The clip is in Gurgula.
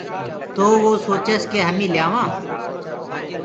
تو وو سوچس ڪي همي ليآوآنٚ